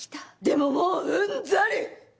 でももううんざり！